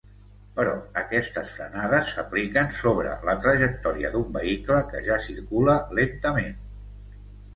Però aquestes frenades s'apliquen sobre la trajectòria d'un vehicle que ja circula lentament.